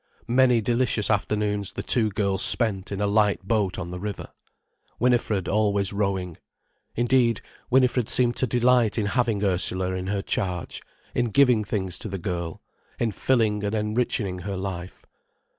Many delicious afternoons the two girls spent in a light boat on the river, Winifred always rowing. Indeed, Winifred seemed to delight in having Ursula in her charge, in giving things to the girl, in filling and enrichening her life.